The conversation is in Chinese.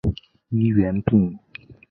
医源病。